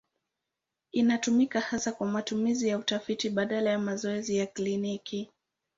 Inatumika hasa kwa matumizi ya utafiti badala ya mazoezi ya kliniki.